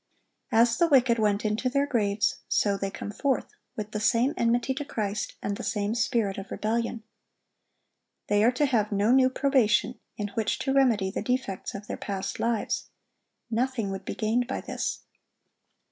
As the wicked went into their graves, so they come forth, with the same enmity to Christ, and the same spirit of rebellion. They are to have no new probation, in which to remedy the defects of their past lives. Nothing would be gained by this.